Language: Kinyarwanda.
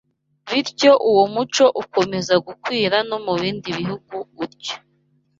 Bityo uwo muco ukomeza gukwira no mu bindi bihugu utyo